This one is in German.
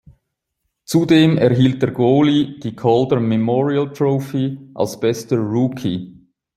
Zudem erhielt der Goalie die Calder Memorial Trophy als bester Rookie.